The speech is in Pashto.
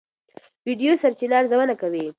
ویډیو سرچینه ارزونه کوي.